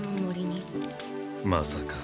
まさか。